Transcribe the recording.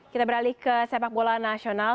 kita beralih ke sepak bola nasional